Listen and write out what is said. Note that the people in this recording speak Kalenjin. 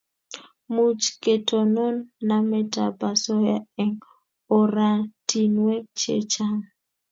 Much ketonon namet ab asoya eng' oratinwek checgang'